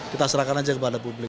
kita serahkan aja kepada publik